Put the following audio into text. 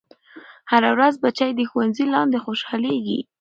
هره ورځ بچے د ښوونځي لاندې خوشحالېږي.